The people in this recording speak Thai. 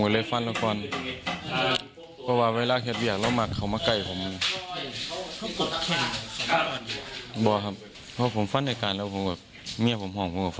แล้วเขาเลยมาถามไม่น่ามาถามผมก็เลย